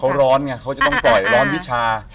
เขาร้อนไงเขาจะต้องปล่อยร้อนวิชา